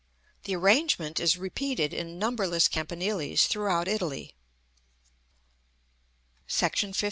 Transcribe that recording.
The arrangement is repeated in numberless campaniles throughout Italy. § XV.